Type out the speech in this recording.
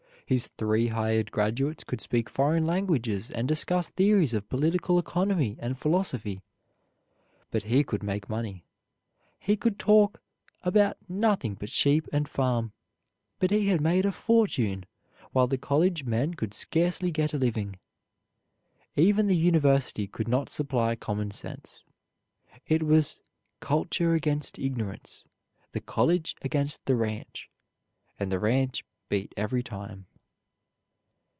His three hired graduates could speak foreign languages and discuss theories of political economy and philosophy, but he could make money. He could talk about nothing but sheep and farm; but he had made a fortune, while the college men could scarcely get a living. Even the University could not supply common sense. It was "culture against ignorance; the college against the ranch; and the ranch beat every time."